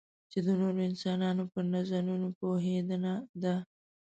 چې د نورو انسانانو پر نظرونو پوهېدنه ده.